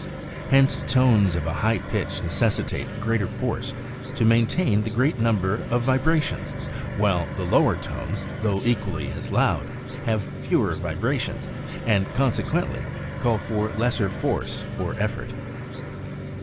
Hence, tones of a; high pitch necessi tate greater force to maintain the greater number of vibrations; AND VOCAL ILLUSIONS. 23 while the lower tones, though equally as loud, have fewer vibra tions, and, consequently, call for lesser force or effort.